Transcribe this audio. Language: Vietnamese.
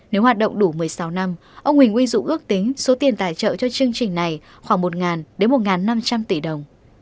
nếu hoạt động đủ một mươi sáu năm ông huỳnh uy dũng ước tính số tiền tài trợ cho chương trình này khoảng một đến một năm trăm linh tỷ đồng